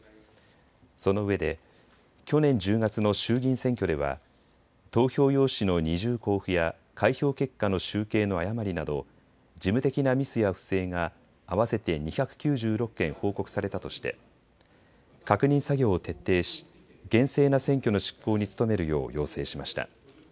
そのうえで、去年１０月の衆議院選挙では投票用紙の二重交付や開票結果の集計の誤りなど事務的なミスや不正が合わせて２９６件報告されたとして確認作業を徹底し厳正な選挙の執行に努めるよう要請しました。